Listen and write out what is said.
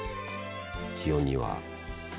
気温には。